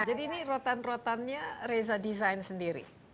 jadi ini rotan rotannya reza desain sendiri